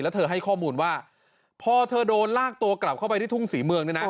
แล้วเธอให้ข้อมูลว่าพอเธอโดนลากตัวกลับเข้าไปที่ทุ่งศรีเมืองเนี่ยนะ